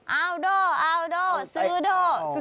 เอาโด้ซื้อโด้